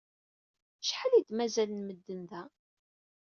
Acḥal i d-mazal n medden d da?